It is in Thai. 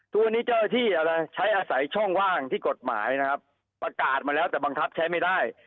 ทุกวันนี้เจ้าหน้าที่อะไรใช้อาศัยช่องว่างที่กฎหมายนะครับประกาศมาแล้วแต่บังคับใช้ไม่ได้